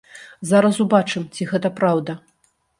Зараз убачым, ці гэта праўда.